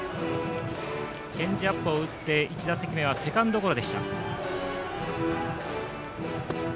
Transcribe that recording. チェンジアップを打って１打席目はセカンドゴロでした。